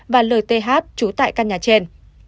và lth trú tại căn nhà trên